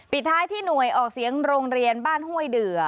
ปิดท้ายที่หน่วยออกเสียงโรงเรียนบ้านห้วยเดือ